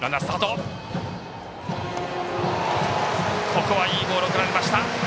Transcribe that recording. ここはいいボールが送られました。